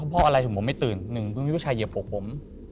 พออะไรถึงผมไม่ตื่นหนึ่งมีผู้ชายเหยียบบกผม